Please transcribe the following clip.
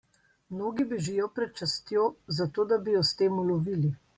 Mnogi bežijo pred častjo, zato da bi jo s tem ulovili.